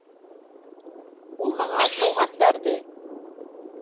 -ئۇ ماڭا سوۋغات بەردى!